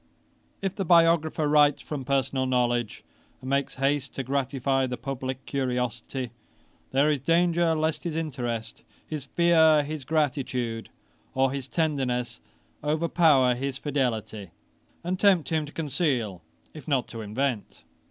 ] 'If the biographer writes from personal knowledge, and makes haste to gratify the publick curiosity, there is danger lest his interest, his fear, his gratitude, or his tenderness overpower his fidelity, and tempt him to conceal, if not to invent.